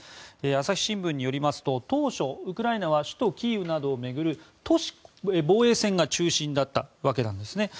朝日新聞によりますと当初、ウクライナは首都キーウなどを巡る都市防衛戦が中心だったわけなんですね。